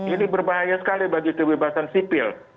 ini berbahaya sekali bagi kebebasan sipil